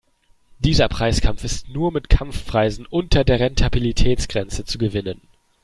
Dieser Preiskampf ist nur mit Kampfpreisen unter der Rentabilitätsgrenze zu gewinnen.